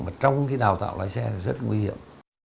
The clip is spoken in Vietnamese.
mà trong cái đào tạo lái xe rất nguy hiểm